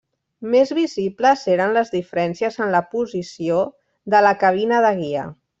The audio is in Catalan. Més visibles eren les diferències en la posició de la cabina de guia.